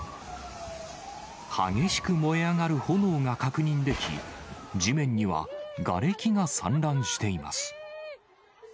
激しく燃え上がる炎が確認でき、地面にはがれきが散乱しています。